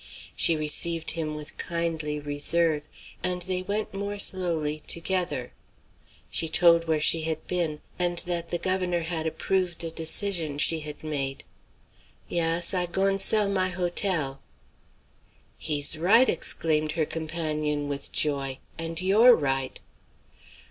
She received him with kindly reserve, and they went more slowly, together. She told where she had been, and that the governor approved a decision she had made. "Yass; I goin' sell my hotel." "He's right!" exclaimed her companion, with joy; "and you're right!"